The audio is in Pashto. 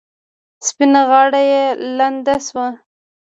سپینه غاړه یې لنده شوه.